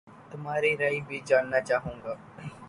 تمہاری رائے بھی جاننا چاہوں گا